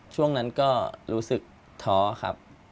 ช่วงนั้นก็รู้สึกท้อครับ